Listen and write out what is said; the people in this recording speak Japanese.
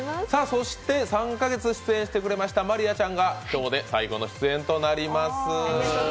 そして３か月出演してくれました真莉愛ちゃんが今日で最後の出演となります。